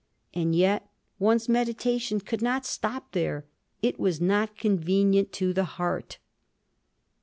And yet, one's meditation could not stop there—it was not convenient to the heart!